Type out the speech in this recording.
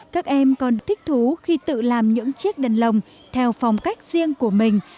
các em còn thích thú khi tự làm những chiếc đèn lồng theo phong cách riêng của mình